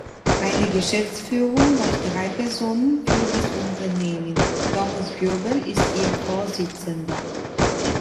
Eine Geschäftsführung aus drei Personen führt das Unternehmen; Thomas Göbel ist ihr Vorsitzender.